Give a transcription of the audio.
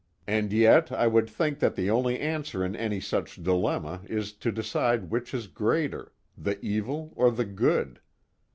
And yet I would think that the only answer in any such dilemma is to decide which is greater, the evil or the good.